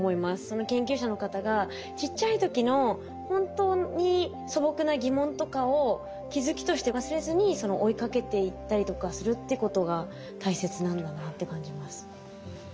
研究者の方がちっちゃい時の本当に素朴な疑問とかを気付きとして忘れずに追いかけていったりとかするってことが大切なんだなって感じます。